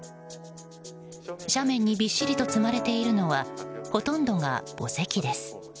斜面にびっしり積まれているのがほとんどが墓石です。